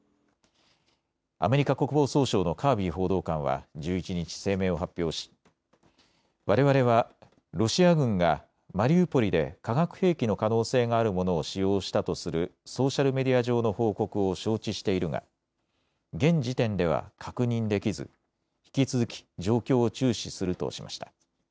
アメリカ国防総省のカービー報道官は１１日、声明を発表しわれわれはロシア軍がマリウポリで化学兵器の可能性があるものを使用したとするソーシャルメディア上の報告を承知しているが現時点では確認できず引き続き状況を注視するとしました。